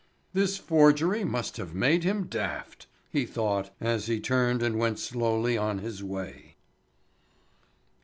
"This forgery must have made him daft!" he thought, as he turned and went slowly on his way.